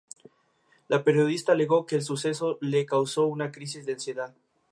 Fue lanzado sólo en continente americano.